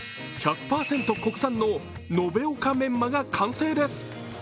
国産の延岡メンマが完成です。